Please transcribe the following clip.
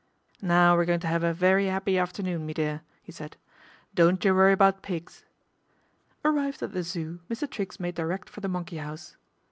" Now we're going to 'ave a very 'appy after noon, me dear," he said. " Don't you worry about pigs." Arrived at the Zoo, Mr. Triggs made direct for the monkey house.